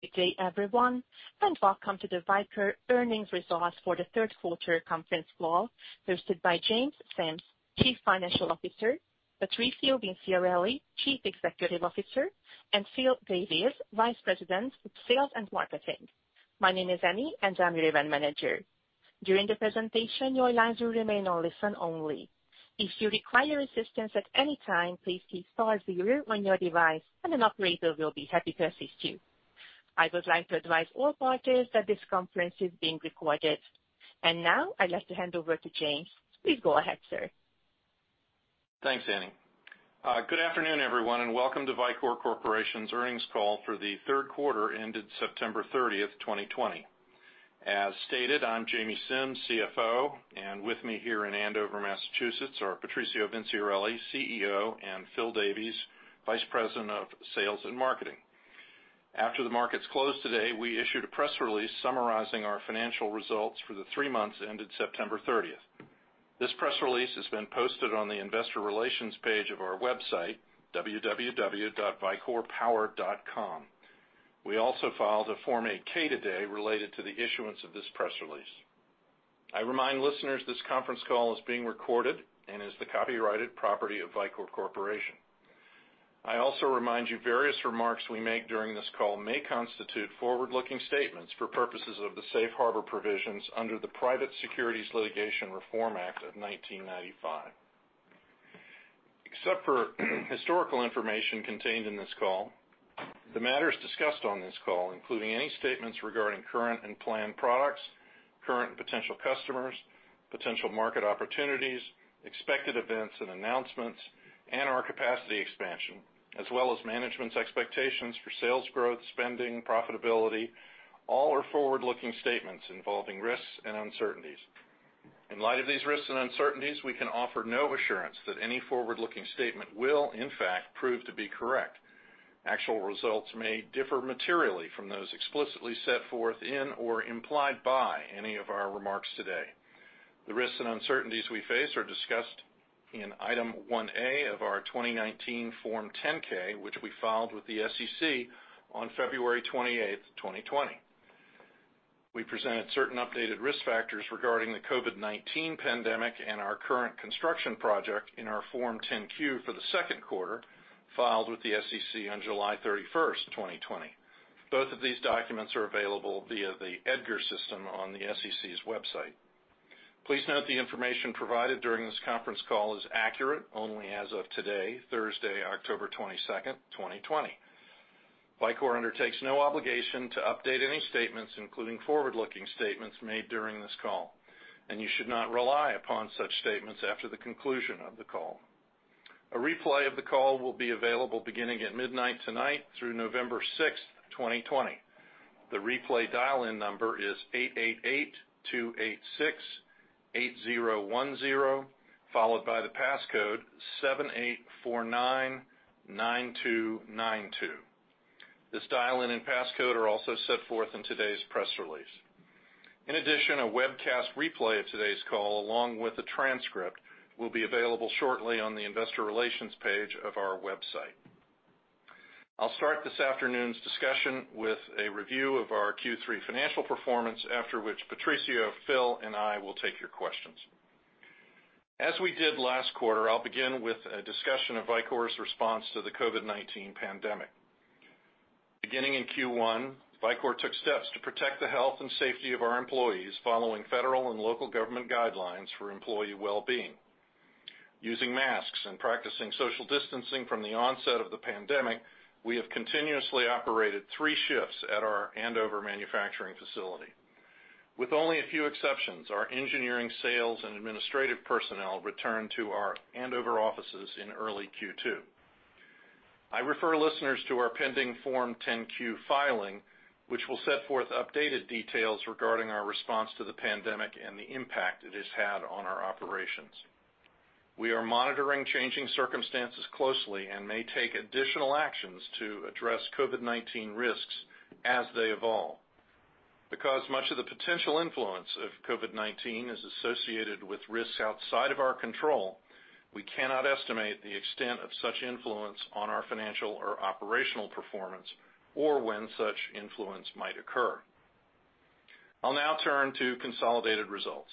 Good day, everyone, and welcome to the Vicor Earnings Results for the Q3 conference call hosted by James Simms, Chief Financial Officer, Patrizio Vinciarelli, Chief Executive Officer, and Phil Davies, Vice President of Sales and Marketing. My name is Annie, and I'm your event manager. During the presentation, your lines will remain on listen only. If you require assistance at any time, please key star zero on your device, and an operator will be happy to assist you. I would like to advise all parties that this conference is being recorded. Now I'd like to hand over to James. Please go ahead, sir. Thanks, Annie. Good afternoon, everyone, and welcome to Vicor Corporation's earnings call for the Q3 ended September 30, 2020. As stated, I'm James Simms, CFO. With me here in Andover, MA, are Patrizio Vinciarelli, CEO, and Phil Davies, Vice President of Sales and Marketing. After the markets closed today, we issued a press release summarizing our financial results for the three months ended September 30. This press release has been posted on the investor relations page of our website, www.vicorpower.com. We also filed a Form 8-K today related to the issuance of this press release. I remind listeners this conference call is being recorded and is the copyrighted property of Vicor Corporation. I also remind you various remarks we make during this call may constitute forward-looking statements for purposes of the safe harbor provisions under the Private Securities Litigation Reform Act of 1995. Except for historical information contained in this call, the matters discussed on this call, including any statements regarding current and planned products, current and potential customers, potential market opportunities, expected events and announcements, and our capacity expansion, as well as management's expectations for sales growth, spending, profitability, all are forward-looking statements involving risks and uncertainties. In light of these risks and uncertainties, we can offer no assurance that any forward-looking statement will in fact prove to be correct. Actual results may differ materially from those explicitly set forth in or implied by any of our remarks today. The risks and uncertainties we face are discussed in Item 1A of our 2019 Form 10-K, which we filed with the SEC on February 28th, 2020. We presented certain updated risk factors regarding the COVID-19 pandemic and our current construction project in our Form 10-Q for the Q2, filed with the SEC on July 31st, 2020. Both of these documents are available via the EDGAR system on the SEC's website. Please note the information provided during this conference call is accurate only as of today, Thursday, October 22nd, 2020. Vicor undertakes no obligation to update any statements, including forward-looking statements made during this call, and you should not rely upon such statements after the conclusion of the call. A replay of the call will be available beginning at midnight tonight through November 6th, 2020. The replay dial-in number is 888-286-8010, followed by the passcode 7849-9292. This dial-in and passcode are also set forth in today's press release. In addition, a webcast replay of today's call, along with a transcript, will be available shortly on the investor relations page of our website. I'll start this afternoon's discussion with a review of our Q3 financial performance, after which Patrizio, Phil, and I will take your questions. As we did last quarter, I'll begin with a discussion of Vicor's response to the COVID-19 pandemic. Beginning in Q1, Vicor took steps to protect the health and safety of our employees following federal and local government guidelines for employee well-being. Using masks and practicing social distancing from the onset of the pandemic, we have continuously operated three shifts at our Andover manufacturing facility. With only a few exceptions, our engineering, sales, and administrative personnel returned to our Andover offices in early Q2. I refer listeners to our pending Form 10-Q filing, which will set forth updated details regarding our response to the pandemic and the impact it has had on our operations. We are monitoring changing circumstances closely and may take additional actions to address COVID-19 risks as they evolve. Because much of the potential influence of COVID-19 is associated with risks outside of our control, we cannot estimate the extent of such influence on our financial or operational performance or when such influence might occur. I'll now turn to consolidated results.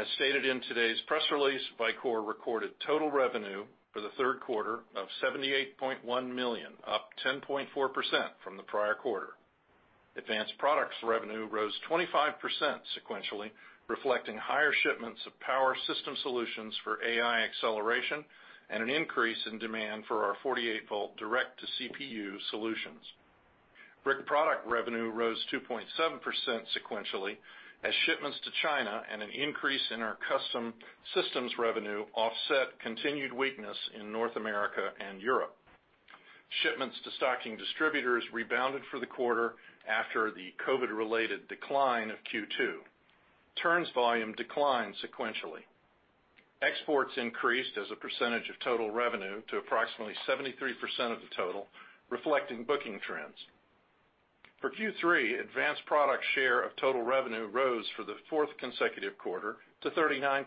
As stated in today's press release, Vicor recorded total revenue for the Q3 of $78.1 million, up 10.4% from the prior quarter. Advanced products revenue rose 25% sequentially, reflecting higher shipments of power system solutions for AI acceleration and an increase in demand for our 48-volt direct to CPU solutions. Brick product revenue rose 2.7% sequentially as shipments to China and an increase in our custom systems revenue offset continued weakness in North America and Europe. Shipments to stocking distributors rebounded for the quarter after the COVID-related decline of Q2. Turns volume declined sequentially. Exports increased as a percentage of total revenue to approximately 73% of the total, reflecting booking trends. For Q3, advanced product share of total revenue rose for the fourth consecutive quarter to 39%,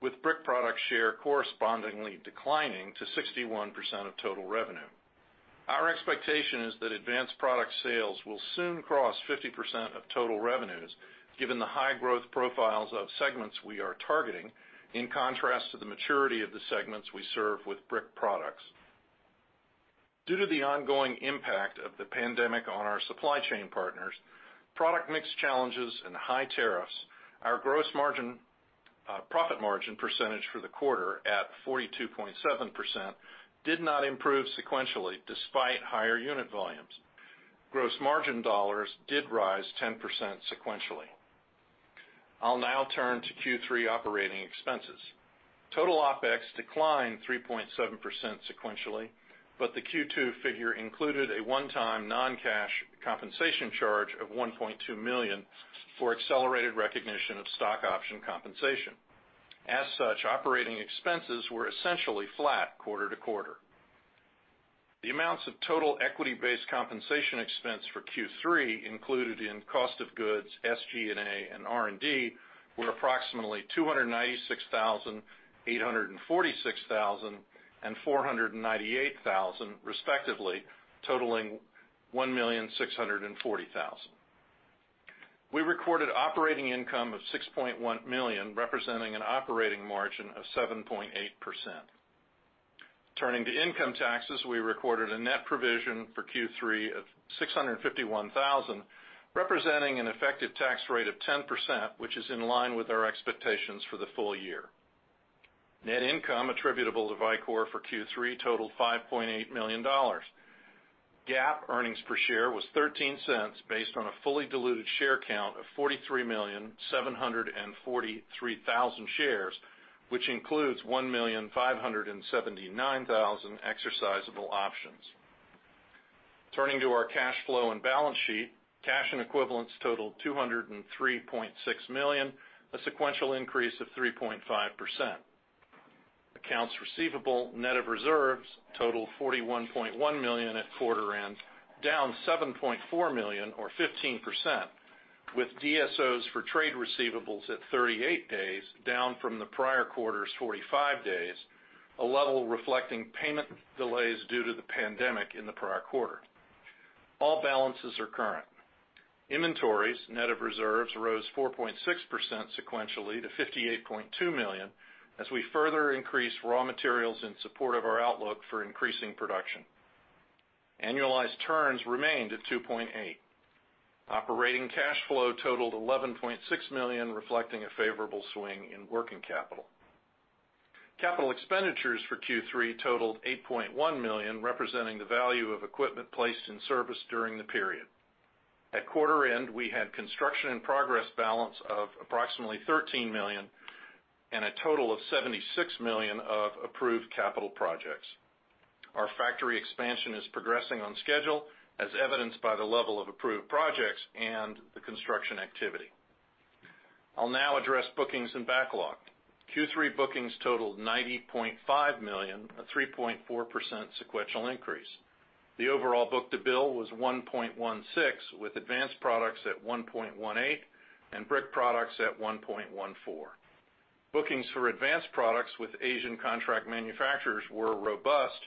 with brick product share correspondingly declining to 61% of total revenue. Our expectation is that advanced product sales will soon cross 50% of total revenues given the high growth profiles of segments we are targeting, in contrast to the maturity of the segments we serve with brick products. Due to the ongoing impact of the pandemic on our supply chain partners, product mix challenges and high tariffs, our gross margin, profit margin percentage for the quarter at 42.7% did not improve sequentially despite higher unit volumes. Gross margin dollars did rise 10% sequentially. I'll now turn to Q3 operating expenses. Total OpEx declined 3.7% sequentially, the Q2 figure included a one-time non-cash compensation charge of $1.2 million for accelerated recognition of stock option compensation. As such, operating expenses were essentially flat quarter to quarter. The amounts of total equity-based compensation expense for Q3 included in cost of goods, SG&A, and R&D were approximately $296,000, $846,000, and $498,000, respectively, totaling $1,640,000. We recorded operating income of $6.1 million, representing an operating margin of 7.8%. Turning to income taxes, we recorded a net provision for Q3 of $651,000, representing an effective tax rate of 10%, which is in line with our expectations for the full year. Net income attributable to Vicor for Q3 totaled $5.8 million. GAAP earnings per share was $0.13 based on a fully diluted share count of 43,743,000 shares, which includes 1,579,000 exercisable options. Turning to our cash flow and balance sheet, cash and equivalents totaled $203.6 million, a sequential increase of 3.5%. Accounts receivable net of reserves totaled $41.1 million at quarter end, down $7.4 million or 15%, with DSOs for trade receivables at 38 days down from the prior quarter's 45 days, a level reflecting payment delays due to the pandemic in the prior quarter. All balances are current. Inventories net of reserves rose 4.6% sequentially to $58.2 million as we further increased raw materials in support of our outlook for increasing production. Annualized turns remained at 2.8. Operating cash flow totaled $11.6 million, reflecting a favorable swing in working capital. Capital expenditures for Q3 totaled $8.1 million, representing the value of equipment placed in service during the period. At quarter end, we had construction in progress balance of approximately $13 million and a total of $76 million of approved capital projects. Our factory expansion is progressing on schedule as evidenced by the level of approved projects and the construction activity. I'll now address bookings and backlog. Q3 bookings totaled $90.5 million, a 3.4% sequential increase. The overall book to bill was 1.16, with advanced products at 1.18 and brick products at 1.14. Bookings for advanced products with Asian contract manufacturers were robust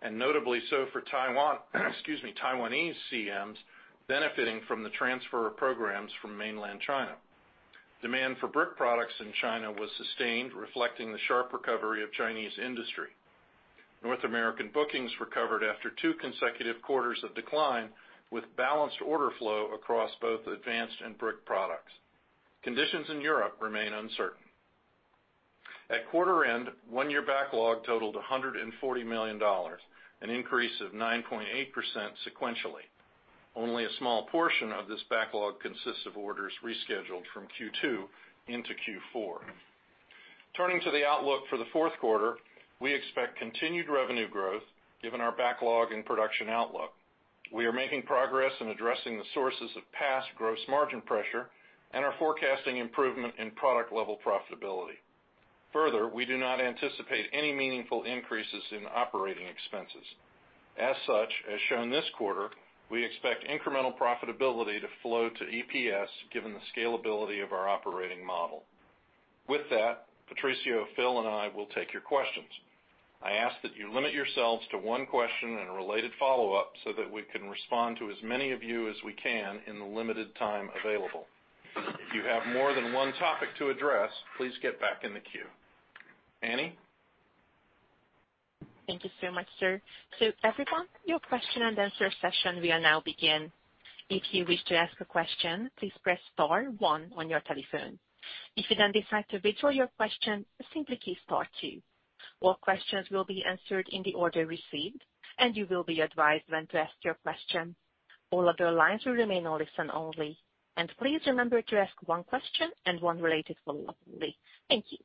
and notably so for Taiwanese CMs benefiting from the transfer of programs from mainland China. Demand for brick products in China was sustained, reflecting the sharp recovery of Chinese industry. North American bookings recovered after two consecutive quarters of decline with balanced order flow across both advanced and brick products. Conditions in Europe remain uncertain. At quarter end, one year backlog totaled $140 million, an increase of 9.8% sequentially. Only a small portion of this backlog consists of orders rescheduled from Q2 into Q4. Turning to the outlook for the Q4, we expect continued revenue growth given our backlog and production outlook. We are making progress in addressing the sources of past gross margin pressure and are forecasting improvement in product level profitability. Further, we do not anticipate any meaningful increases in operating expenses. As such, as shown this quarter, we expect incremental profitability to flow to EPS given the scalability of our operating model. With that, Patrizio, Phil, and I will take your questions. I ask that you limit yourselves to one question and a related follow-up so that we can respond to as many of you as we can in the limited time available. If you have more than one topic to address, please get back in the queue. Annie? Thank you so much, sir. Everyone, questions and answer session now begin. If you wish to ask a question, please press star one on your telephone. If you then decide to withdraw your question, simply key star two. All questions will be answered in the orders receive, and you will be advised when to ask your question. All our lines remain listen and only. Please remember to ask one question and one related follow-up. Thank you.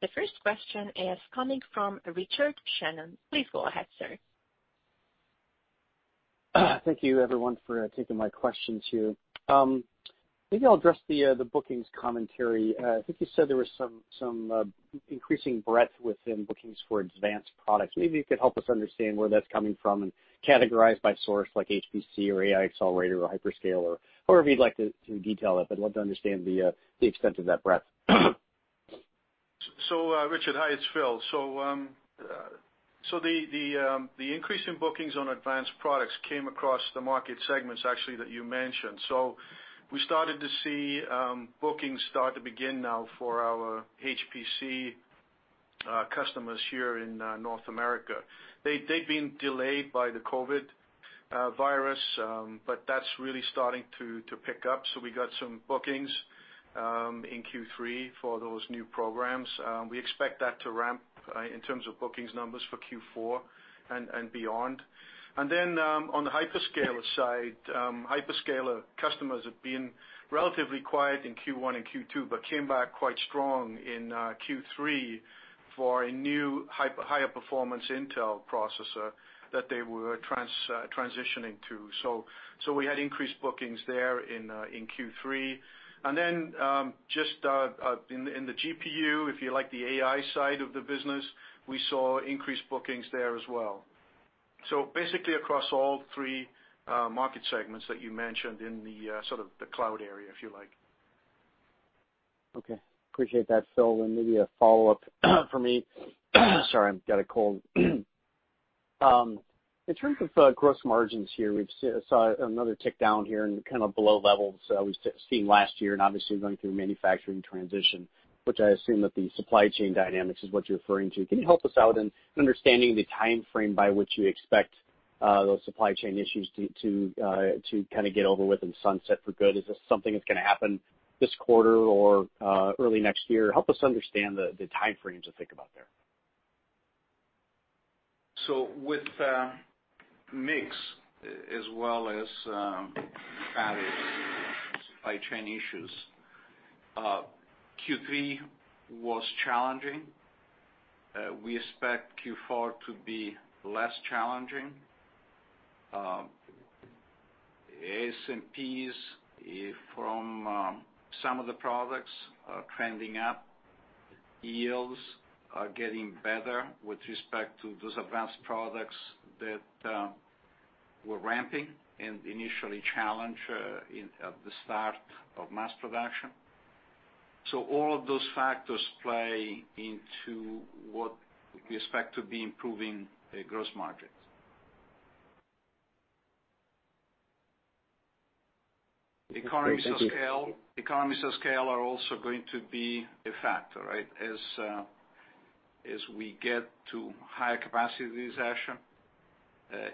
The first question is coming from Richard Shannon. Please go ahead, sir. Thank you everyone for taking my question too. Maybe I'll address the bookings commentary. I think you said there was some increasing breadth within bookings for advanced products. Maybe you could help us understand where that's coming from and categorize by source, like HPC or AI accelerator or hyperscaler, however you'd like to detail it, but I'd love to understand the extent of that breadth. Richard, hi, it's Phil. The increase in bookings on advanced products came across the market segments actually that you mentioned. We started to see bookings start now for our HPC customers here in North America. They've been delayed by the COVID virus, but that's really starting to pick up. We got some bookings in Q3 for those new programs. We expect that to ramp in terms of bookings numbers for Q4 and beyond. On the hyperscaler side. Hyperscaler customers have been relatively quiet in Q1 and Q2, but came back quite strong in Q3 for a new higher performance Intel processor that they were transitioning to so we had increase bookings there in Q3. Just in the GPU, if you like the AI side of the business, we saw increased bookings there as well. Basically across all three market segments that you mentioned in the cloud area, if you like. Okay. Appreciate that, Phil. Maybe a follow-up for me. Sorry, I've got a cold. In terms of gross margins here, we saw another tick down here and kind of below levels that we've seen last year and obviously going through a manufacturing transition, which I assume that the supply chain dynamics is what you're referring to. Can you help us out in understanding the timeframe by which you expect those supply chain issues to get over with and sunset for good? Is this something that's going to happen this quarter or early next year? Help us understand the timeframe to think about there. With mix as well as various supply chain issues, Q3 was challenging. We expect Q4 to be less challenging. ASPs from some of the products are trending up, yields are getting better with respect to those advanced products that were ramping and initially challenged at the start of mass production. All of those factors play into what we expect to be improving gross margins. Great. Thank you. Economies of scale are also going to be a factor, right? As we get to higher capacity utilization,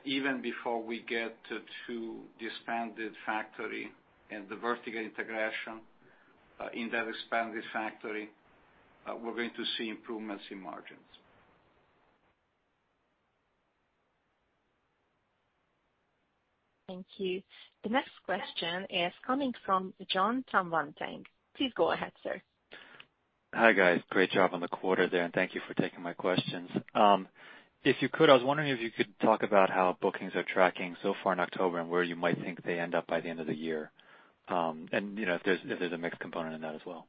even before we get to the expanded factory and the vertical integration in that expanded factory, we're going to see improvements in margins. Thank you. The next question is coming from Jon Tanwanteng. Please go ahead, sir. Hi, guys. Great job on the quarter there, and thank you for taking my questions. If you could, I was wondering if you could talk about how bookings are tracking so far in October and where you might think they end up by the end of the year. If there's a mixed component in that as well.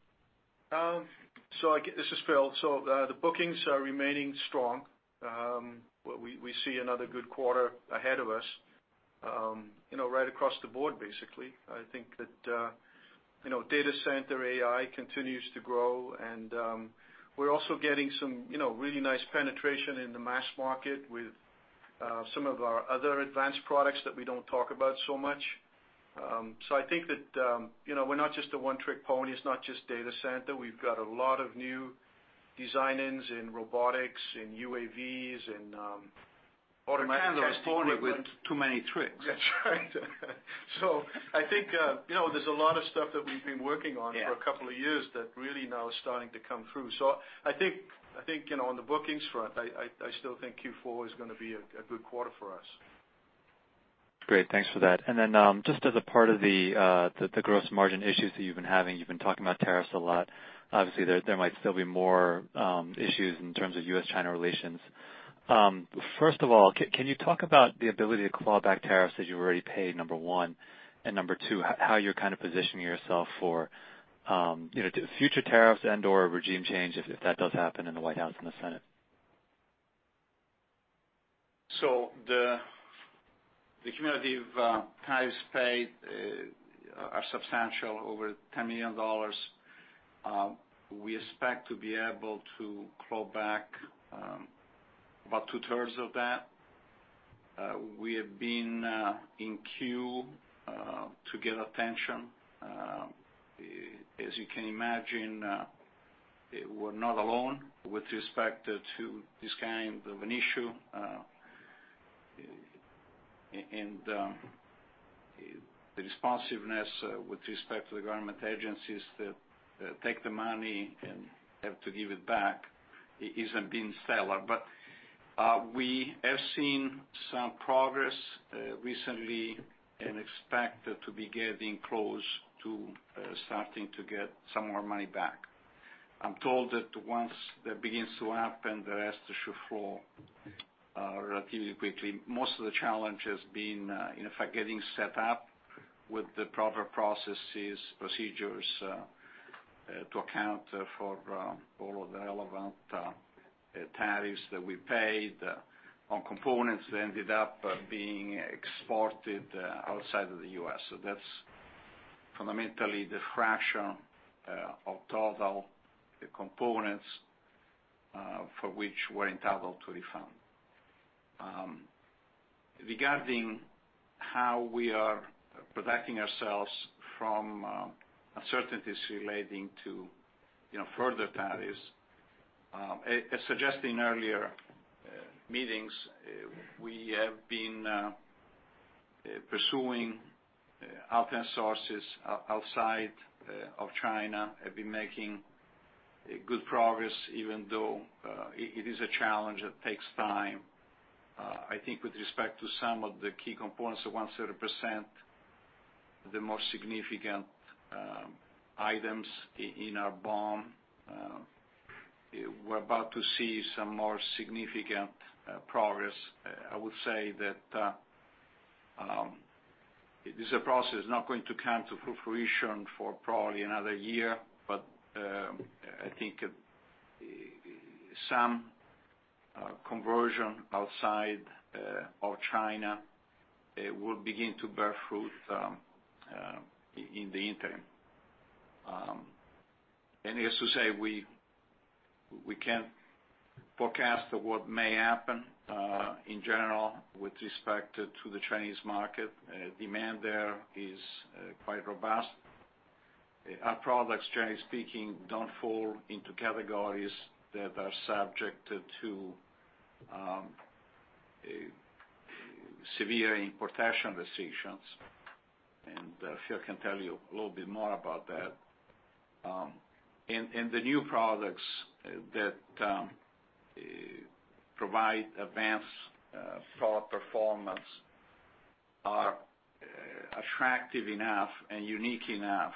This is Phil. The bookings are remaining strong. We see another good quarter ahead of us right across the board, basically. I think that data center AI continues to grow, and we're also getting some really nice penetration in the mass market with some of our other advanced products that we don't talk about so much. I think that we're not just a one-trick pony. It's not just data center. We've got a lot of new design-ins in robotics, in UAVs, and automatic test equipment. A pony with too many tricks. That's right. I think there's a lot of stuff that we've been working on for a couple of years that really now is starting to come through. I think on the bookings front, I still think Q4 is going to be a good quarter for us. Great, thanks for that. Just as a part of the gross margin issues that you've been having, you've been talking about tariffs a lot. Obviously, there might still be more issues in terms of U.S.-China relations. First of all, can you talk about the ability to claw back tariffs that you've already paid, number one, and number two, how you're positioning yourself for future tariffs and/or regime change if that does happen in the White House and the Senate? The cumulative tariffs paid are substantial, over $10 million. We expect to be able to claw back about two-thirds of that. We have been in queue to get attention. As you can imagine, we're not alone with respect to this kind of an issue. The responsiveness with respect to the government agencies that take the money and have to give it back isn't being stellar. We have seen some progress recently and expect to be getting close to starting to get some more money back. I'm told that once that begins to happen, the rest should flow relatively quickly. Most of the challenge has been in fact getting set up with the proper processes, procedures, to account for all of the relevant tariffs that we paid on components that ended up being exported outside of the U.S. That's fundamentally the fraction of total components for which we're entitled to refund. Regarding how we are protecting ourselves from uncertainties relating to further tariffs, as suggested in earlier meetings, we have been pursuing alternate sources outside of China, have been making good progress even though it is a challenge, it takes time. I think with respect to some of the key components, the 130%, the more significant items in our BOM, we're about to see some more significant progress. I would say that it is a process not going to come to fruition for probably another year, but I think some conversion outside of China will begin to bear fruit in the interim. Needless to say, we can't forecast what may happen in general with respect to the Chinese market. Demand there is quite robust. Our products, generally speaking, don't fall into categories that are subject to severe importation restrictions, and Phil can tell you a little bit more about that. The new products that provide advanced power performance are attractive enough and unique enough,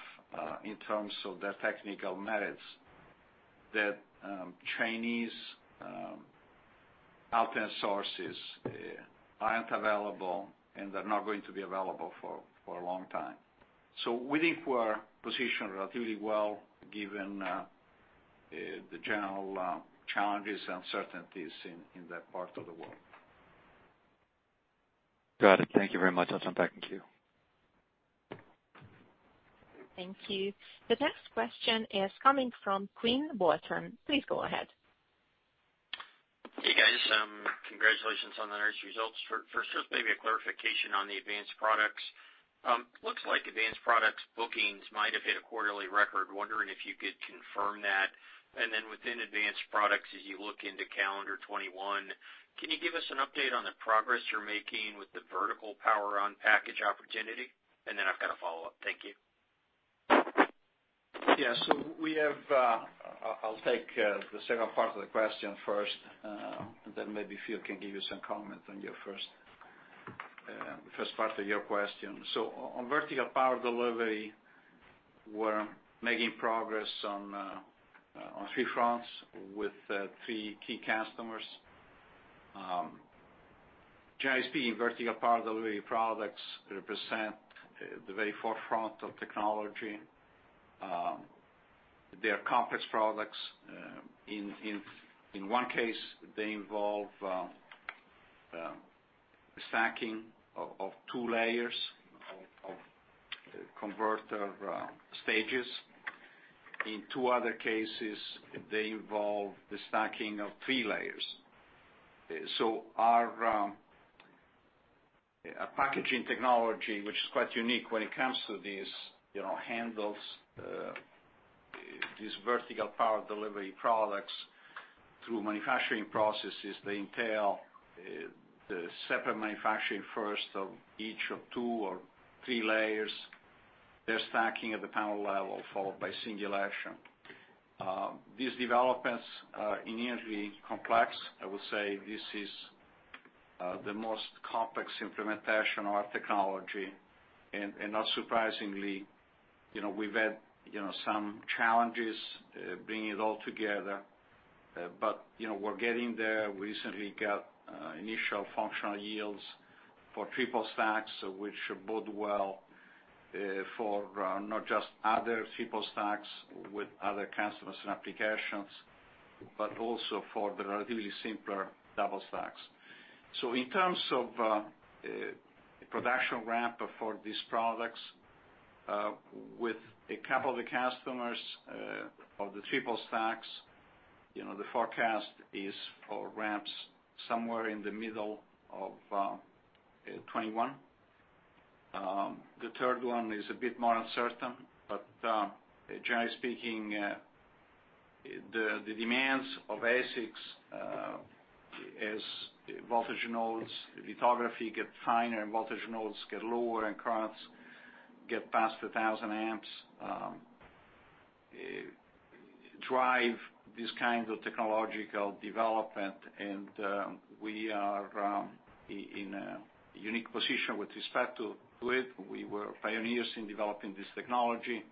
in terms of their technical merits, that Chinese alternate sources aren't available, and they're not going to be available for a long time. We think we're positioned relatively well given the general challenges and uncertainties in that part of the world. Got it. Thank you very much. I'll jump back in queue. Thank you. The next question is coming from Quinn Bolton. Please go ahead. Hey, guys. Congratulations on the nice results. First, just maybe a clarification on the advanced products. Looks like advanced products bookings might have hit a quarterly record. Wondering if you could confirm that. Within advanced products, as you look into calendar 2021, can you give us an update on the progress you're making with the vertical power on package opportunity? I've got a follow-up. Thank you. Yeah. I'll take the second part of the question first, and then maybe Phil can give you some comment on the first part of your question. On vertical power delivery, we're making progress on three fronts with three key customers. Generally speaking, vertical power delivery products represent the very forefront of technology. They are complex products. In one case, they involve the stacking of two layers of converter stages. In two other cases, they involve the stacking of three layers. Our packaging technology, which is quite unique when it comes to these, handles these vertical power delivery products through manufacturing processes. They entail the separate manufacturing first of each of two or three layers. They're stacking at the panel level, followed by singular action. These developments are inherently complex. I would say this is the most complex implementation of our technology, and not surprisingly we've had some challenges bringing it all together. We're getting there. We recently got initial functional yields for triple stacks, which bode well for not just other triple stacks with other customers and applications, but also for the relatively simpler double stacks. In terms of production ramp for these products, with a couple of the customers of the triple stacks, the forecast is for ramps somewhere in the middle of 2021. The third one is a bit more uncertain, but generally speaking, the demands of ASICs as voltage nodes, lithography get finer, voltage nodes get lower, and currents get past 1,000 amps. These kinds of technological development, and we are in a unique position with respect to it. We were pioneers in developing this technology.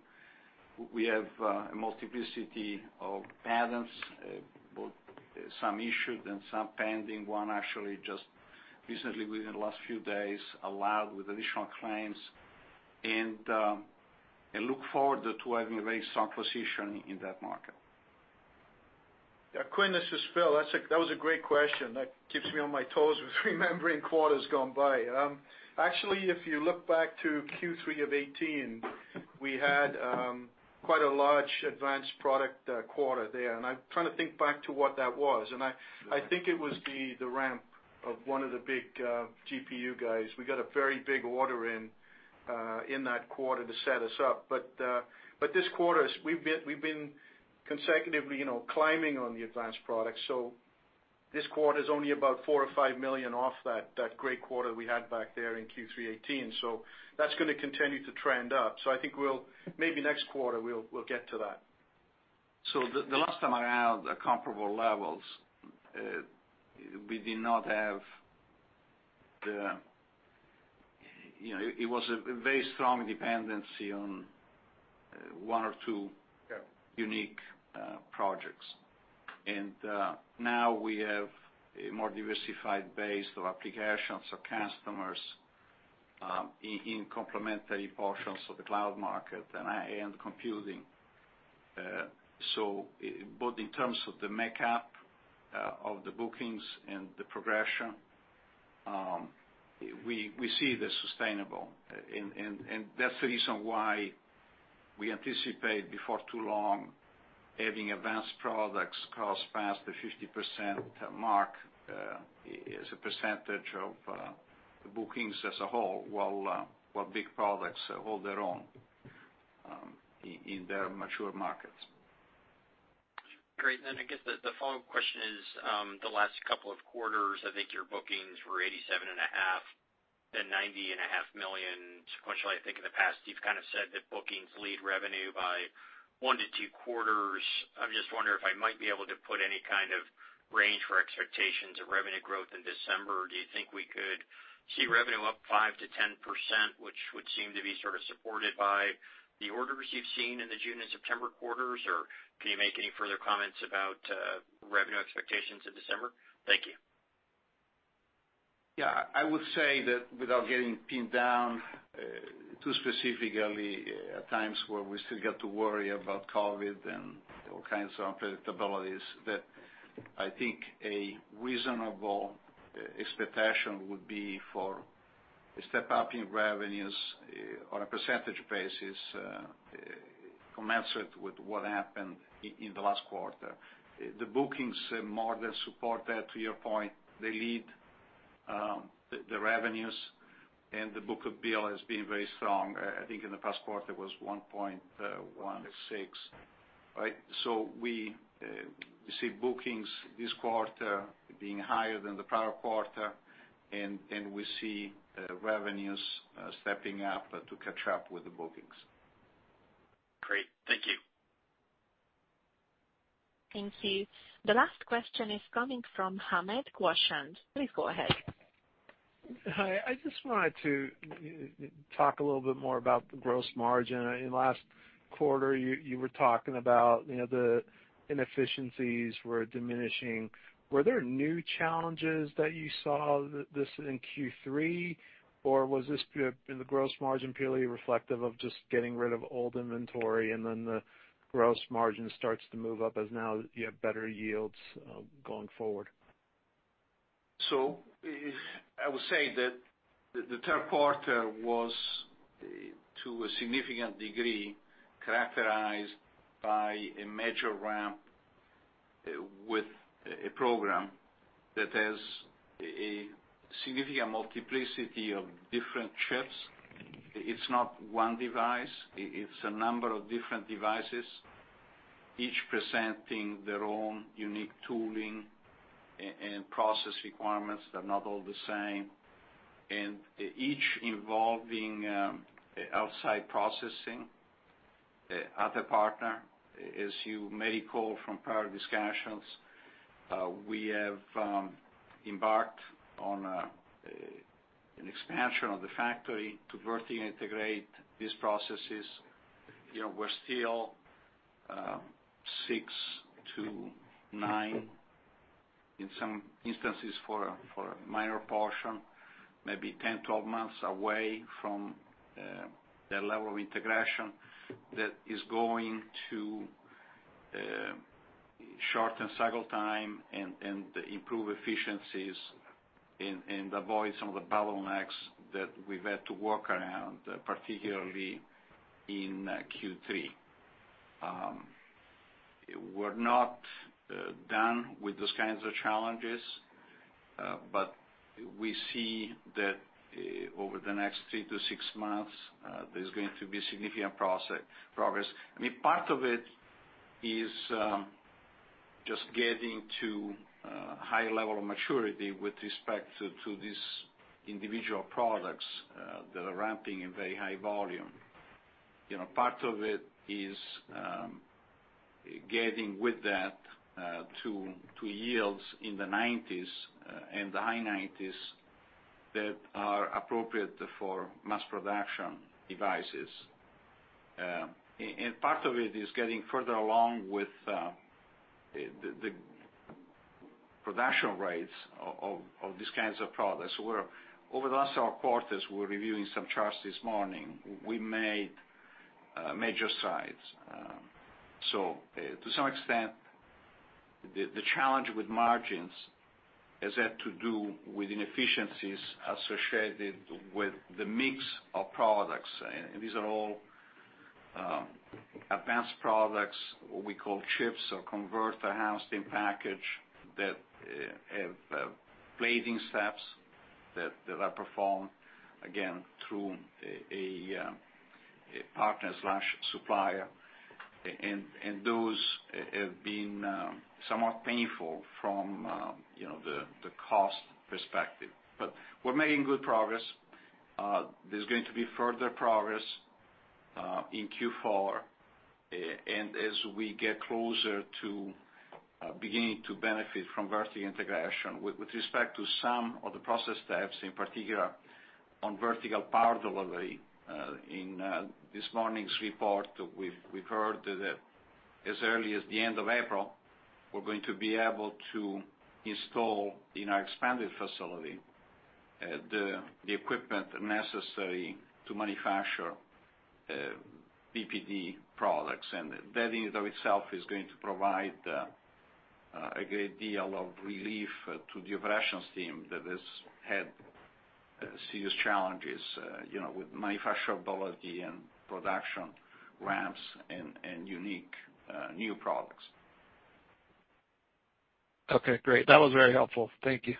We have a multiplicity of patents, both some issued and some pending. One actually just recently, within the last few days, allowed with additional claims. I look forward to having a very strong position in that market. Yeah, Quinn, this is Phil. That was a great question. That keeps me on my toes with remembering quarters gone by. Actually, if you look back to Q3 of 2018, we had quite a large advanced product quarter there, and I'm trying to think back to what that was. I think it was the ramp of one of the big GPU guys. We got a very big order in that quarter to set us up. This quarter, we've been consecutively climbing on the advanced products. This quarter is only about $4 million or $5 million off that great quarter we had back there in Q3 2018. That's going to continue to trend up. I think maybe next quarter, we'll get to that. The last time I had comparable levels, it was a very strong dependency on one or two unique projects. Now we have a more diversified base of applications of customers in complementary portions of the cloud market and AI and computing. Both in terms of the makeup of the bookings and the progression, we see it is sustainable. That's the reason why we anticipate, before too long, having advanced products cross past the 50% mark as a percentage of the bookings as a whole, while big products hold their own in their mature markets. Great. I guess the follow-up question is, the last couple of quarters, I think your bookings were $87.5 million, then $90.5 million sequential. I think in the past you've kind of said that bookings lead revenue by one to two quarters. I'm just wondering if I might be able to put any kind of range for expectations of revenue growth in December. Do you think we could see revenue up 5%-10%, which would seem to be sort of supported by the orders you've seen in the June and September quarters? Can you make any further comments about revenue expectations in December? Thank you. I would say that without getting pinned down too specifically at times where we still got to worry about COVID-19 and all kinds of unpredictabilities, that I think a reasonable expectation would be for a step-up in revenues on a percentage basis commensurate with what happened in the last quarter. The bookings more than support that. To your point, they lead the revenues, and the book of bill has been very strong. I think in the past quarter, it was 1.16, right? We see bookings this quarter being higher than the prior quarter, and we see revenues stepping up to catch up with the bookings. Great. Thank you. Thank you. The last question is coming from Hamed Khorsand. Please go ahead. Hi, I just wanted to talk a little bit more about the gross margin. In the last quarter, you were talking about the inefficiencies were diminishing. Were there new challenges that you saw this in Q3, or was the gross margin purely reflective of just getting rid of old inventory, and then the gross margin starts to move up as now you have better yields going forward? I would say that the Q3 was, to a significant degree, characterized by a major ramp with a program that has a significant multiplicity of different CHiPs. It's not one device. It's a number of different devices, each presenting their own unique tooling and process requirements. They're not all the same, and each involving outside processing at a partner. As you may recall from prior discussions, we have embarked on an expansion of the factory to vertically integrate these processes. We're still six to nine, in some instances for a minor portion, maybe 10, 12 months away from that level of integration that is going to shorten cycle time and improve efficiencies and avoid some of the bottlenecks that we've had to work around, particularly in Q3. We're not done with those kinds of challenges. We see that over the next three to six months, there's going to be significant progress. Part of it is just getting to a high level of maturity with respect to these individual products that are ramping in very high volume. Part of it is getting with that to yields in the 90s and the high 90s that are appropriate for mass production devices. Part of it is getting further along with the production rates of these kinds of products. Over the last several quarters, we're reviewing some charts this morning; we made major strides. To some extent, the challenge with margins has had to do with inefficiencies associated with the mix of products. These are all advanced products, what we call CHiPs or Converter housed in Package that have plating steps that are performed, again, through a partner/supplier. Those have been somewhat painful from the cost perspective. We're making good progress. There's going to be further progress in Q4 and as we get closer to beginning to benefit from vertical integration with respect to some of the process steps, in particular on vertical power delivery. In this morning's report, we've heard that as early as the end of April, we're going to be able to install in our expanded facility, the equipment necessary to manufacture VPD products. That in and of itself is going to provide a great deal of relief to the operations team that has had serious challenges with manufacturability and production ramps and unique new products. Okay, great. That was very helpful. Thank you.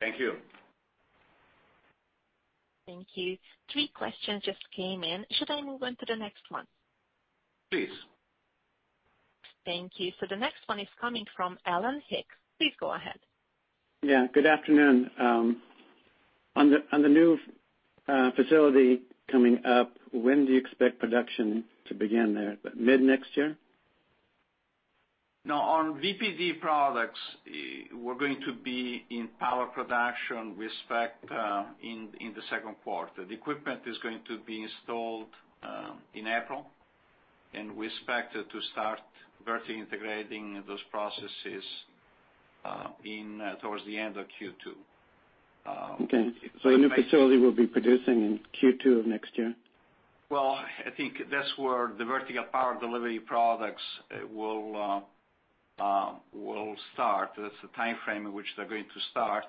Thank you. Thank you. Three questions just came in. Should I move on to the next one? Please. Thank you. The next one is coming from Alan Hicks. Please go ahead. Yeah, good afternoon. On the new facility coming up, when do you expect production to begin there? Mid next year? No. On VPD products, we're going to be in power production, we expect, in the Q2. The equipment is going to be installed in April, and we expect to start vertically integrating those processes towards the end of Q2. Okay. A new facility will be producing in Q2 of next year? Well, I think that's where the vertical power delivery products will start. That's the timeframe in which they're going to start.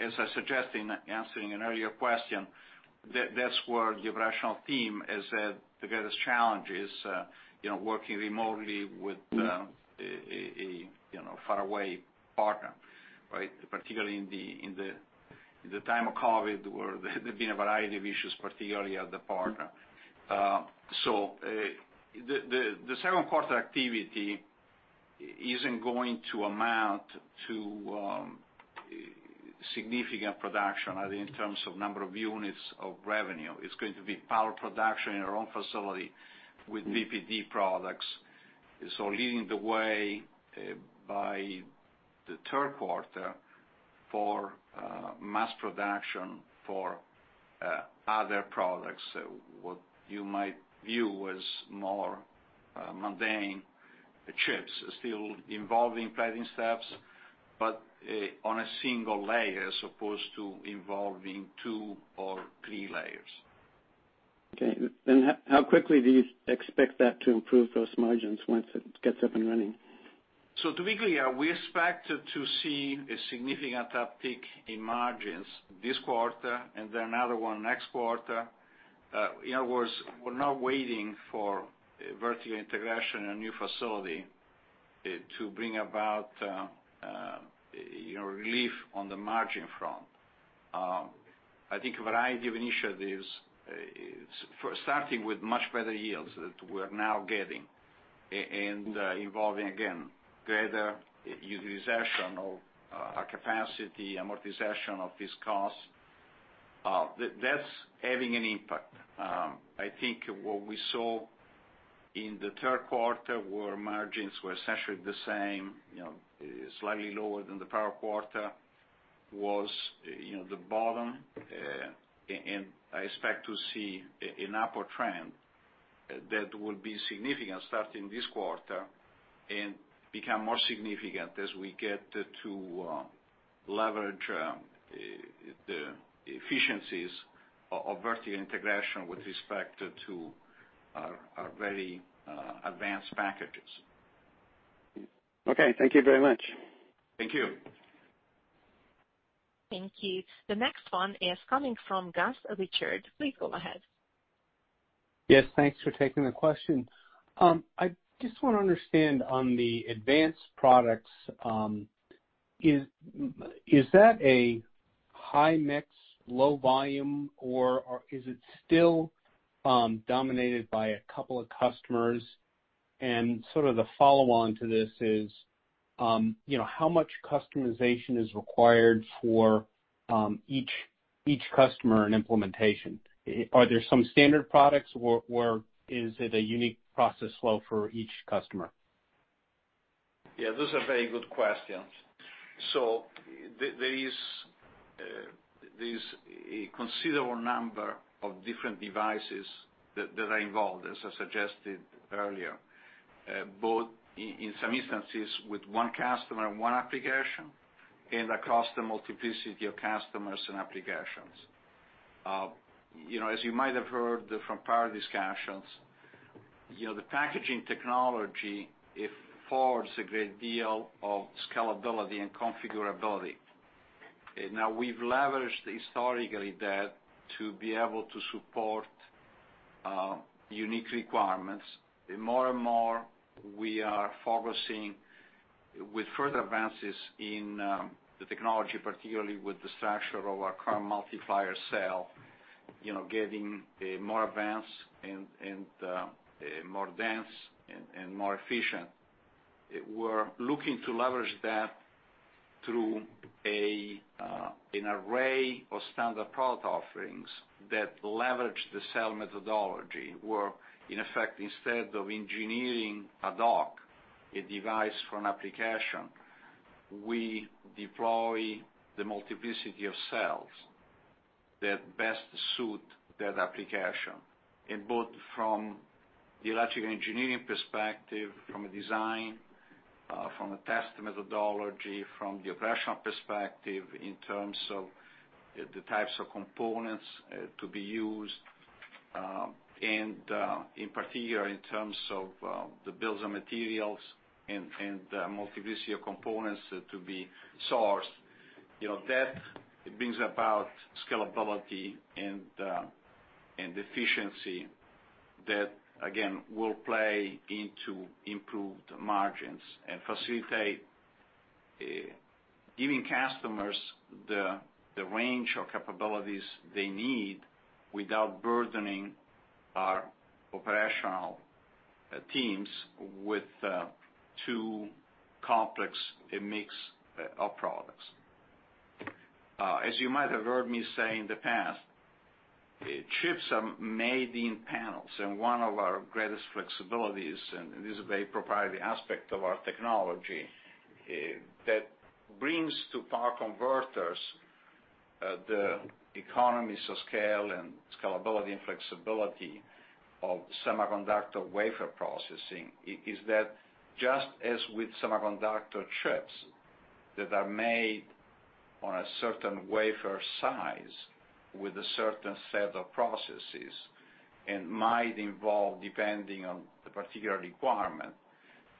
As I suggested in answering an earlier question, that's where the operational team has had the greatest challenges, working remotely with a faraway partner. Particularly in the time of COVID-19, where there have been a variety of issues, particularly at the partner. The Q2 activity isn't going to amount to significant production either in terms of number of units of revenue. It's going to be power production in our own facility with VPD products. Leading the way by the Q3 for mass production for other products, what you might view as more mundane CHiPs, still involving plating steps, but on a single layer as opposed to involving two or three layers. Okay. How quickly do you expect that to improve those margins once it gets up and running? To be clear, we expect to see a significant uptick in margins this quarter and then another one next quarter. In other words, we're now waiting for vertical integration in a new facility to bring about relief on the margin front. I think a variety of initiatives, starting with much better yields that we're now getting and involving, again, greater utilization of our capacity, amortization of these costs, that's having an impact. I think what we saw in the Q3, where margins were essentially the same, slightly lower than the prior quarter was the bottom. I expect to see an upward trend that will be significant starting this quarter and become more significant as we get to leverage the efficiencies of vertical integration with respect to our very advanced packages. Okay. Thank you very much. Thank you. Thank you. The next one is coming from Gus Richard. Please go ahead. Yes, thanks for taking the question. I just want to understand on the advanced products, is that a high mix, low volume, or is it still dominated by a couple of customers? The follow-on to this is, how much customization is required for each customer and implementation? Are there some standard products, or is it a unique process flow for each customer? Yeah, those are very good questions. There is a considerable number of different devices that are involved, as I suggested earlier, both in some instances with one customer and one application, and across the multiplicity of customers and applications. As you might have heard from prior discussions, the packaging technology affords a great deal of scalability and configurability. We've leveraged historically that to be able to support unique requirements. More and more, we are focusing with further advances in the technology, particularly with the structure of our current multiplier cell, getting more advanced and more dense and more efficient. We're looking to leverage that through an array of standard product offerings that leverage the cell methodology, where, in effect, instead of engineering a device for an application, we deploy the multiplicity of cells that best suit that application. Both from the electrical engineering perspective, from a design, from a test methodology, from the operational perspective in terms of the types of components to be used, and in particular, in terms of the Bills of Materials and the multiplicity of components to be sourced. That brings about scalability and efficiency that, again, will play into improved margins and facilitate giving customers the range of capabilities they need without burdening our operational teams with too complex a mix of products. As you might have heard me say in the past, CHiPs are made in panels, and one of our greatest flexibilities, and this is a very proprietary aspect of our technology, that brings to power converters, the economies of scale and scalability and flexibility of semiconductor wafer processing, is that just as with semiconductor CHiPs that are made on a certain wafer size with a certain set of processes and might involve, depending on the particular requirement,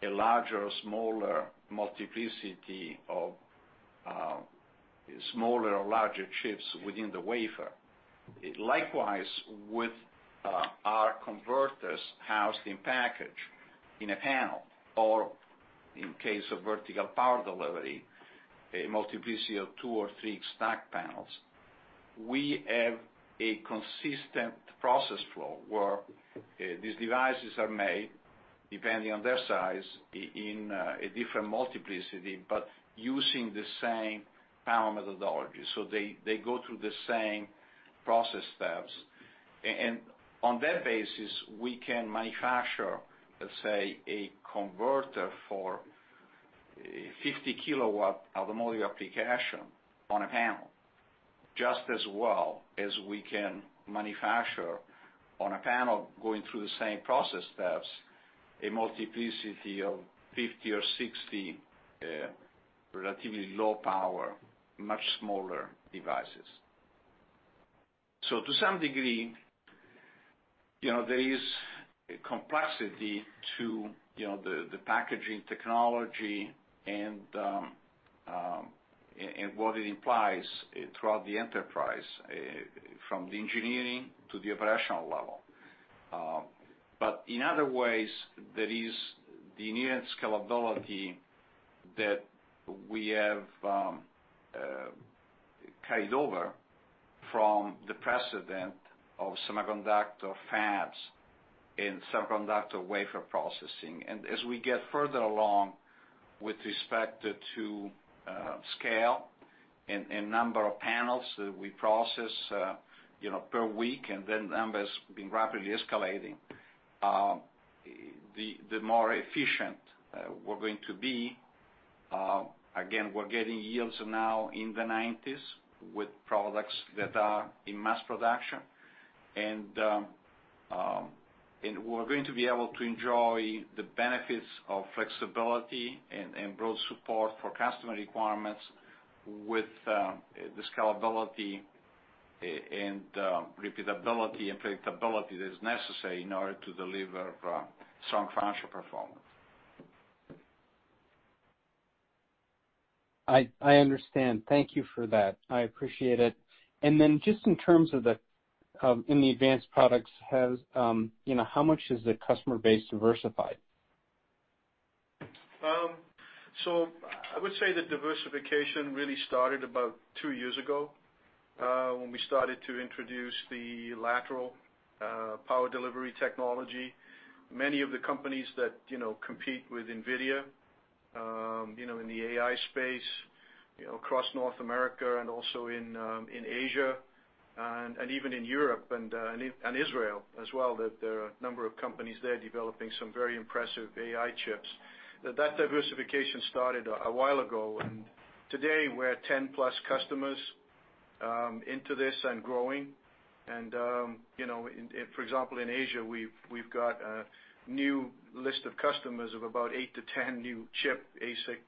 a larger or smaller multiplicity of smaller or larger CHiPs within the wafer. Likewise, with our Converter housed in Package in a panel, or in case of vertical power delivery, a multiplicity of two or three stack panels, we have a consistent process flow where these devices are made, depending on their size, in a different multiplicity, but using the same power methodology. They go through the same process steps. On that basis, we can manufacture, let's say, a converter for a 50 kW automotive application on a panel, just as well as we can manufacture on a panel going through the same process steps, a multiplicity of 50 or 60 relatively low power, much smaller devices. To some degree, there is a complexity to the packaging technology and what it implies throughout the enterprise, from the engineering to the operational level. In other ways, there is the inherent scalability that we have carried over from the precedent of semiconductor fabs and semiconductor wafer processing. As we get further along with respect to scale and number of panels that we process per week, and that number's been rapidly escalating, the more efficient we're going to be. We're getting yields now in the 90s with products that are in mass production, and we're going to be able to enjoy the benefits of flexibility and broad support for customer requirements with the scalability and repeatability and predictability that is necessary in order to deliver strong financial performance. I understand. Thank you for that. I appreciate it. Just in terms of the advanced products, how much is the customer base diversified? I would say the diversification really started about two years ago, when we started to introduce the lateral power delivery technology. Many of the companies that compete with Nvidia in the AI space across North America and also in Asia and even in Europe and Israel as well, there are a number of companies there developing some very impressive AI CHiPs. That diversification started a while ago, and today we're at 10+ customers into this and growing. For example, in Asia, we've got a new list of customers of about eight to 10 new chip ASIC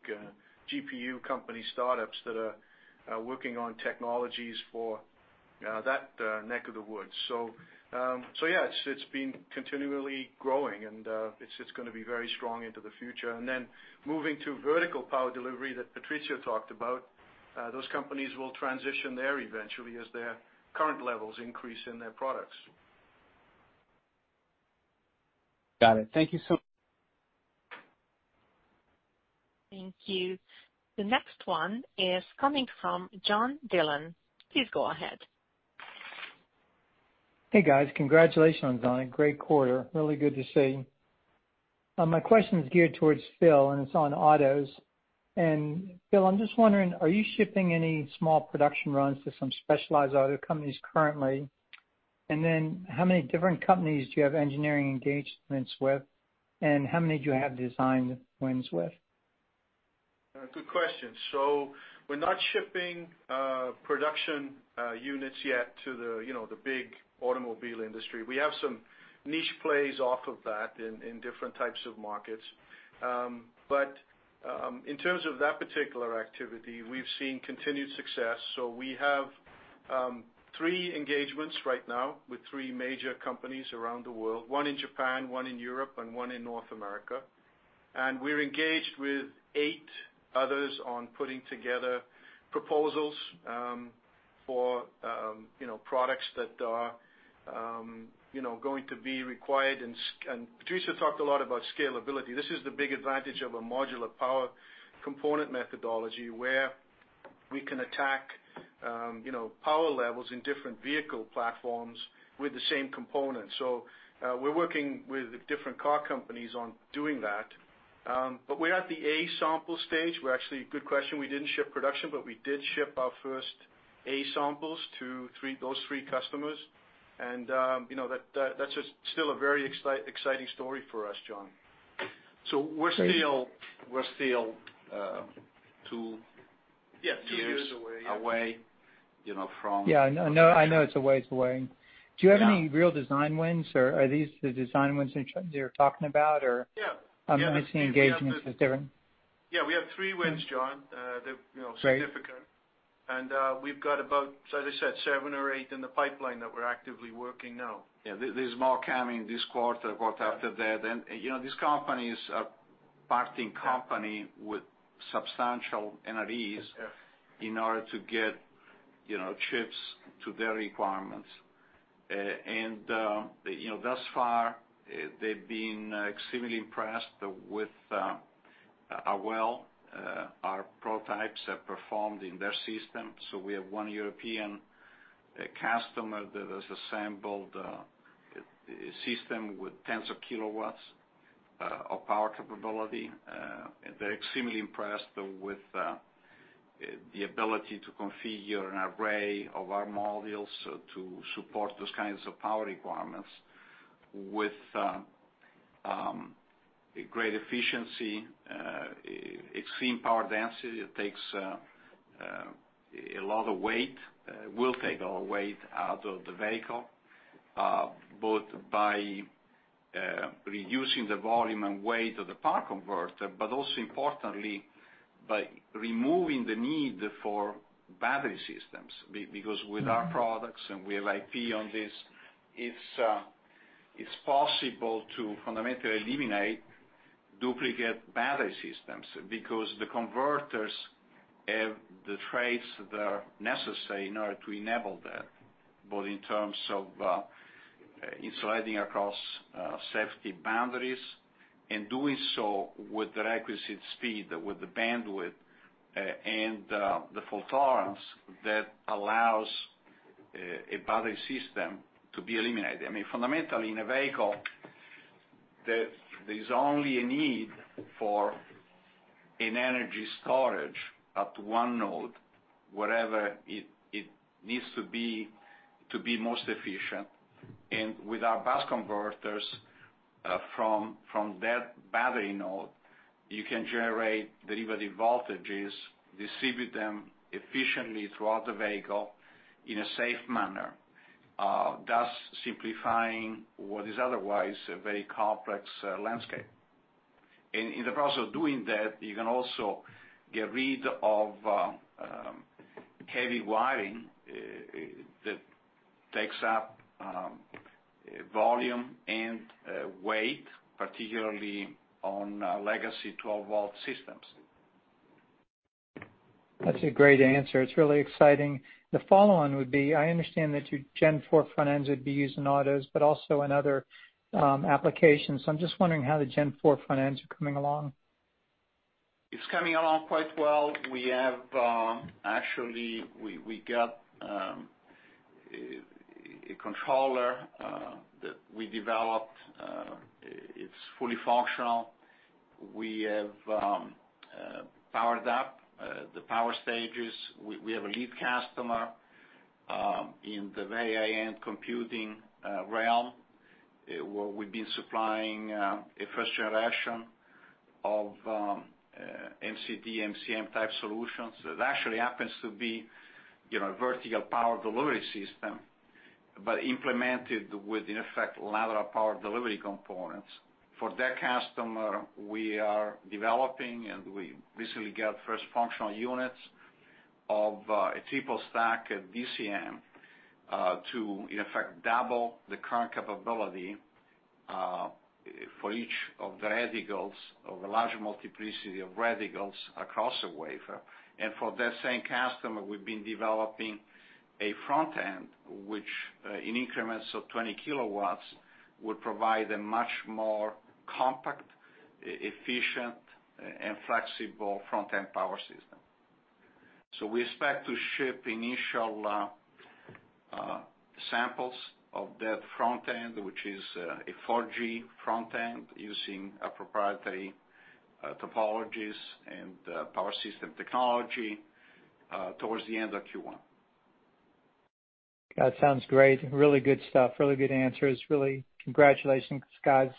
GPU company startups that are working on technologies for that neck of the woods. Yeah, it's been continually growing, and it's going to be very strong into the future. Moving to vertical power delivery that Patrizio talked about, those companies will transition there eventually as their current levels increase in their products. Got it. Thank you so much. Thank you. The next one is coming from John Dillon. Please go ahead. Hey, guys. Congratulations on a great quarter. Really good to see. My question is geared towards Phil. It's on autos. Phil, I'm just wondering, are you shipping any small production runs to some specialized auto companies currently? How many different companies do you have engineering engagements with, and how many do you have design wins with? Good question. We're not shipping production units yet to the big automobile industry. We have some niche plays off of that in different types of markets. In terms of that particular activity, we've seen continued success. We have three engagements right now with three major companies around the world, one in Japan, one in Europe, and one in North America. We're engaged with eight others on putting together proposals for products that are going to be required, and Patrizio talked a lot about scalability. This is the big advantage of a modular power component methodology, where we can attack power levels in different vehicle platforms with the same component. We're working with different car companies on doing that. We're at the A sample stage. Good question, we didn't ship production. We did ship our first A samples to those three customers. That's just still a very exciting story for us, John. Great. So we're still two years away. Yeah, two years away. Yeah, I know it's a ways away. Yeah. Do you have any real design wins, or are these the design wins that you're talking about? Yeah. I'm missing engagements with different. Yeah, we have three wins, John. Great. They're significant. We've got about, as I said, seven or eight in the pipeline that we're actively working now. Yeah, there's more coming this quarter after that. These companies are parting company with substantial NREs in order to get CHiPs to their requirements. Thus far they've been extremely impressed with how well our prototypes have performed in their system. We have one European customer that has assembled a system with tens of kilowatts of power capability. They're extremely impressed with the ability to configure an array of our modules to support those kinds of power requirements with great efficiency, extreme power density. It will take a lot of weight out of the vehicle, both by reducing the volume and weight of the power converter, but also importantly, by removing the need for battery systems. Because with our products, and we have IP on this, it's possible to fundamentally eliminate duplicate battery systems because the converters have the traits that are necessary in order to enable that, both in terms of sliding across safety boundaries and doing so with the requisite speed, with the bandwidth, and the fault tolerance that allows a battery system to be eliminated. I mean, fundamentally in a vehicle, there's only a need for an energy storage at one node, wherever it needs to be to be most efficient. With our bus converters, from that battery node, you can generate derivative voltages, distribute them efficiently throughout the vehicle in a safe manner, thus simplifying what is otherwise a very complex landscape. In the process of doing that, you can also get rid of heavy wiring that takes up volume and weight, particularly on legacy 12-volt systems. That's a great answer. It's really exciting. The follow-on would be, I understand that your Gen 4 front ends would be used in autos, but also in other applications. I'm just wondering how the Gen 4 front ends are coming along. It's coming along quite well. Actually, we got a controller that we developed. It's fully functional. We have powered up the power stages. We have a lead customer in the AI and computing realm, where we've been supplying a first generation of MCD, MCM type solutions. That actually happens to be vertical power delivery system, but implemented with, in effect, lateral power delivery components. For that customer, we are developing, and we recently got first functional units of a triple stack DCM, to in effect double the current capability, for each of the reticles of a large multiplicity of reticles across a wafer. For that same customer, we've been developing a front end, which in increments of 20 kW, would provide a much more compact, efficient and flexible front-end power system. We expect to ship initial samples of that front end, which is a 4G front end, using proprietary topologies and power system technology, towards the end of Q1. That sounds great. Really good stuff. Really good answers. Really, congratulations, guys.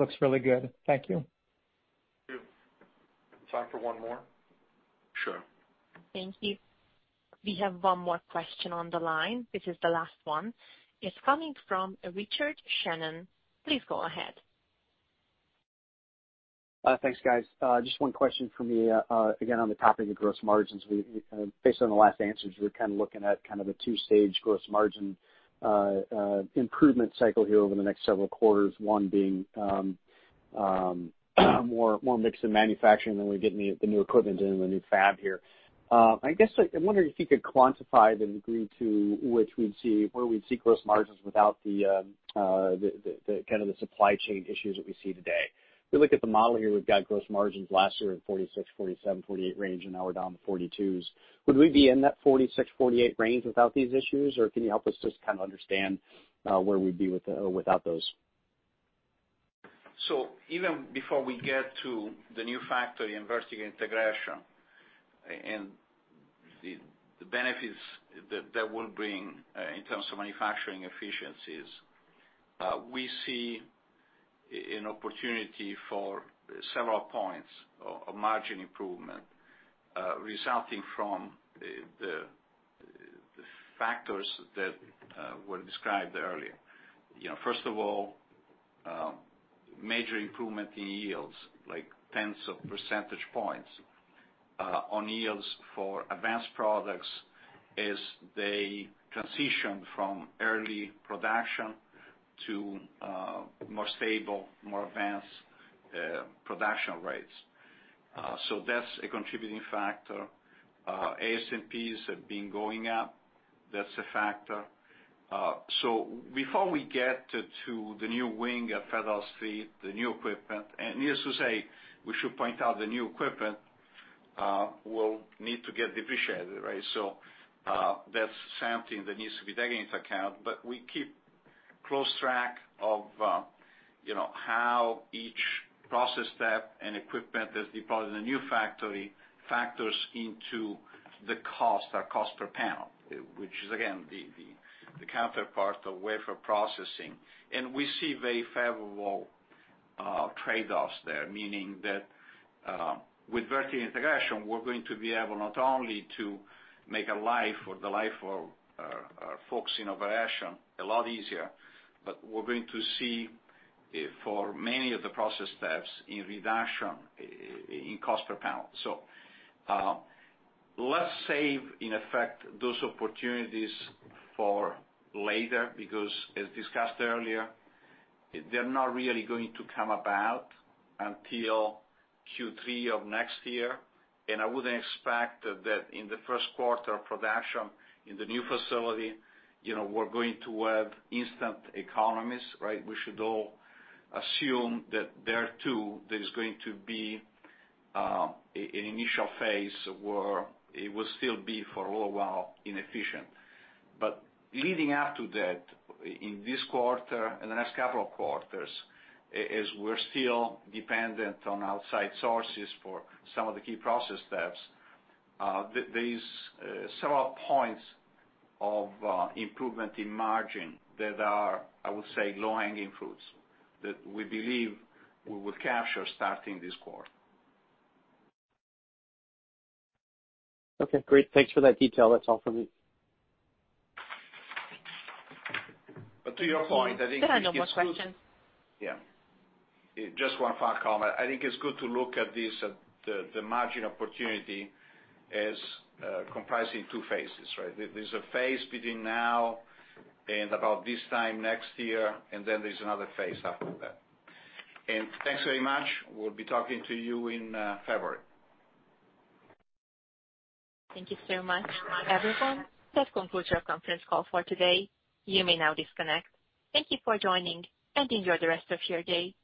This looks really good. Thank you. Thank you. Time for one more? Sure. Thank you. We have one more question on the line. This is the last one. It is coming from Richard Shannon. Please go ahead. Thanks, guys. Just one question from me, again, on the topic of gross margins. Based on the last answers, we're kind of looking at kind of a two-stage gross margin improvement cycle here over the next several quarters, one being more mix in manufacturing than we get in the new equipment and the new fab here. I'm wondering if you could quantify the degree to where we'd see gross margins without the supply chain issues that we see today. If we look at the model here, we've got gross margins last year in 46%, 47%, 48% range, and now we're down to 42%. Would we be in that 46%-48% range without these issues? Can you help us just kind of understand where we'd be without those? Even before we get to the new factory and vertical integration and the benefits that will bring in terms of manufacturing efficiencies, we see an opportunity for several points of margin improvement, resulting from the factors that were described earlier. First of all, major improvement in yields, like tens of percentage points on yields for advanced products as they transition from early production to more stable, more advanced production rates. That's a contributing factor. ASPs have been going up. That's a factor. Before we get to the new wing at Federal Street, the new equipment, and needless to say, we should point out the new equipment will need to get depreciated. That's something that needs to be taken into account. We keep close track of how each process step and equipment that's deployed in the new factory factors into the cost or cost per panel, which is again, the counterpart of wafer processing. We see very favorable trade-offs there, meaning that with vertical integration, we're going to be able not only to make the life of our folks in operation a lot easier, but we're going to see for many of the process steps a reduction in cost per panel. Let's save, in effect, those opportunities for later, because as discussed earlier, they're not really going to come about until Q3 of next year. I wouldn't expect that in the Q1 of production in the new facility, we're going to have instant economies, right? We should all assume that there, too, there is going to be an initial phase where it will still be, for a little while inefficient. Leading up to that, in this quarter and the next several quarters, as we're still dependent on outside sources for some of the key process steps, there is several points of improvement in margin that are, I would say, low-hanging fruits that we believe we will capture starting this quarter. Okay, great. Thanks for that detail. That's all for me. To your point, I think it's good. There are no more questions. Yeah. Just one final comment. I think it's good to look at the margin opportunity as comprising two phases, right? There's a phase between now and about this time next year, and then there's another phase after that. Thanks very much. We'll be talking to you in February. Thank you so much, everyone. That concludes your conference call for today. You may now disconnect. Thank you for joining, and enjoy the rest of your day.